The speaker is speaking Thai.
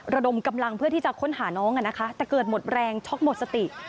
ระดมกำลังเพื่อที่จะค้นหาน้องแต่เกิดหมดแรงช็อกหมดสติ